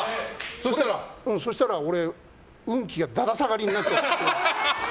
そうしたら俺、運気がダダ下がりになっちゃって。